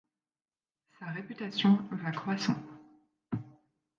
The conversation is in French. Sa réputation va croissant.